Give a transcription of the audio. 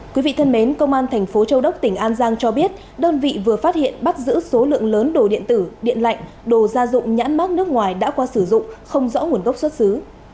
quý vị thân mến công an thành phố châu đốc tỉnh an giang cho biết đơn vị vừa phát hiện bắt giữ số lượng lớn đồ điện tử điện lạnh đồ gia dụng nhãn mát nước ngoài đã qua sử dụng không rõ nguồn gốc xuất xứ